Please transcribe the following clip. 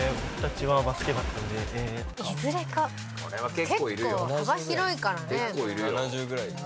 結構幅広いからね。